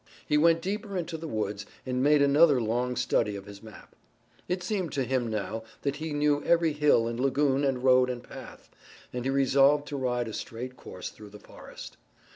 He went deeper into the woods and made another long study of his map. It seemed to him now that he knew every hill and lagoon and road and path, and he resolved to ride a straight course through the forest.